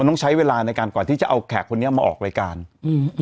ต้องใช้เวลาในการกว่าที่จะเอาแขกคนนี้มาออกรายการอืม